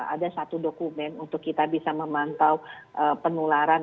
ada satu dokumen untuk kita bisa memantau penularan